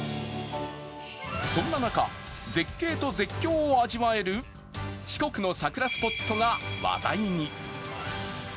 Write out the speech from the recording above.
そんな中、絶景と絶叫を味わえる四国の桜スポットが話題に。